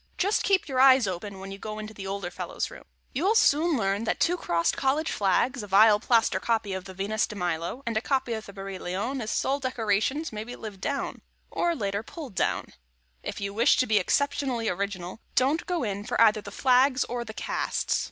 Just keep your eyes open when you go into older fellows' rooms. You'll soon learn that two crossed college flags, a vile plaster copy of the Venus de Milo, and a copy of the Barye Lion as sole decorations may be lived down, or later pulled down. If you wish to be exceptionally original, don't go in for either the flags or the casts.